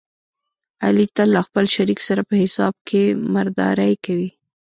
علي تل له خپل شریک سره په حساب کې مردارې کوي.